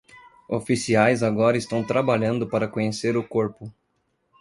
Oficiais agora estão trabalhando para conhecer o corpo.